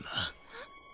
えっ？